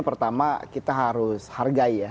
pertama kita harus hargai